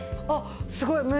あっすごい。